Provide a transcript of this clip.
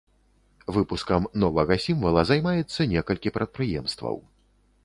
Выпускам новага сімвала займаецца некалькі прадпрыемстваў.